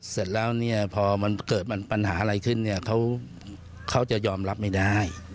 เสร็จแล้วพอมันเกิดปัญหาอะไรขึ้นเขาจะยอมรับไม่ได้